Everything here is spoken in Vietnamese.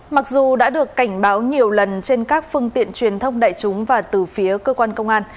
mặc dù đã được cảnh báo nhiều lần trên các phương tiện truyền thông đại chúng và từ phía cơ quan công an